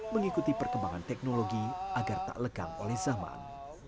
mengikuti perkembangan teknologi agar tak lekang oleh zaman